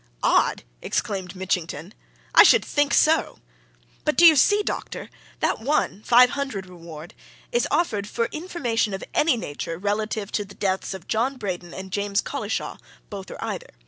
"Odd?" exclaimed Mitchington. "I should think so! But, do you see, doctor? that one five hundred reward is offered for information of any nature relative to the deaths of John Braden and James Collishaw, both or either.